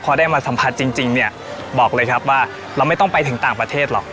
พอได้มาสัมผัสจริงเนี่ยบอกเลยครับว่าเราไม่ต้องไปถึงต่างประเทศหรอก